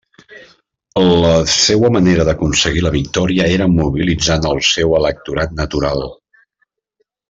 La seua manera d'aconseguir la victòria era mobilitzant el seu electorat natural.